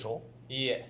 いいえ。